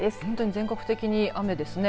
全国的に雨ですね。